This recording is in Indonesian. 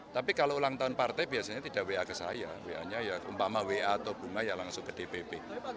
tapi kalau ulang tahun partai biasanya tidak wa ke saya umpama wa atau bumma ya langsung ke dpp